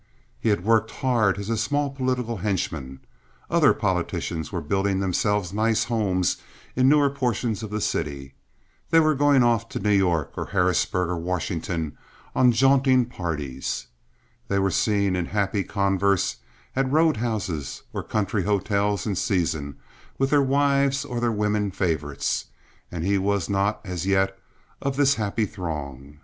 He had worked hard as a small political henchman. Other politicians were building themselves nice homes in newer portions of the city. They were going off to New York or Harrisburg or Washington on jaunting parties. They were seen in happy converse at road houses or country hotels in season with their wives or their women favorites, and he was not, as yet, of this happy throng.